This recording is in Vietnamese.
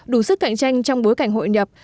đủ sức cạnh tranh trong bối cảnh hội nhập